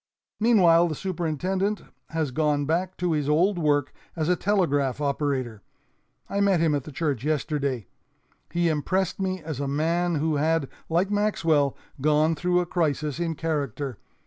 Meanwhile, the superintendent has gone back to his old work as a telegraph operator. I met him at the church yesterday. He impressed me as a man who had, like Maxwell, gone through a crisis in character.